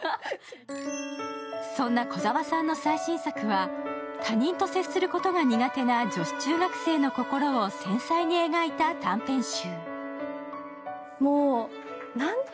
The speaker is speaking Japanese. そんなこざわさんの最新作は、他人と接することが苦手な女子中学生の心を繊細に描いた短編集。